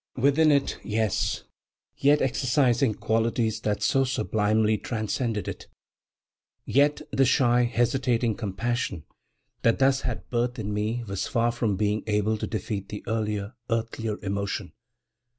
Within it, yes; yet exercising qualities that so sublimely transcended it. Yet the shy, hesitating compassion that thus had birth in me was far from being able to defeat the earlier, earthlier emotion.